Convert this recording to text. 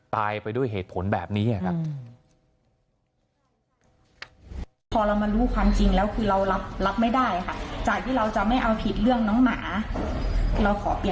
ตายไปด้วยเหตุผลแบบนี้ครับ